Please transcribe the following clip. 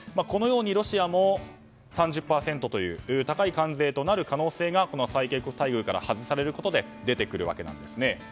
このようにロシアも３０％という高い関税となる可能性が最恵国待遇から外されることで出てくるわけなんですね。